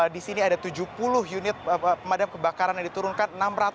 di sini ada tujuh puluh unit pemadam kebakaran yang diturunkan